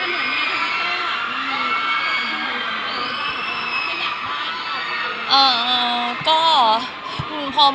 เป็นอย่างไรบ้างครับ